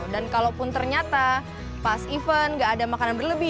dan kalau ternyata pas event nggak ada makanan berlebih